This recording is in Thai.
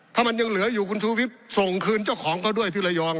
ถ้ามันยังเหลืออยู่คุณชูวิทย์ส่งคืนเจ้าของเขาด้วยที่ระยอง